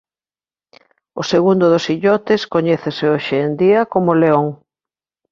O segundo dos illotes coñécese hoxe en día como León.